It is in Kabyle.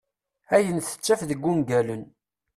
Ayen tettaf deg ungalen.